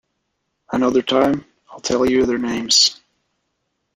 Another time, I'll tell you their names.